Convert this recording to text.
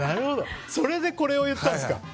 それでこれを言ったんですか。